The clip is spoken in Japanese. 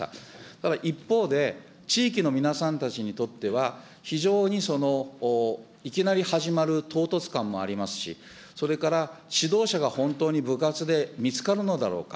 ただ一方で、地域の皆さんたちにとっては、非常にそのいきなり始まる唐突感もありますし、それから指導者が本当に部活で見つかるのだろうか。